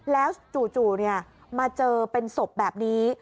แล้วจู่มาเจอเป็นศพแบบนี้